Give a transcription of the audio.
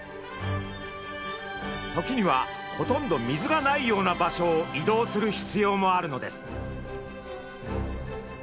時にはほとんど水がないような場所を移動する必要もあるのです。